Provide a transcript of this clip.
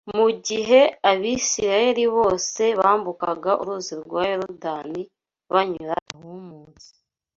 mu gihe Abisirayeli bose bambukaga Uruzi rwa Yorodani banyura ahumutse